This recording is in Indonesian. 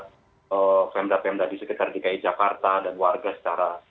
pemda pemda di sekitar dki jakarta dan warga secara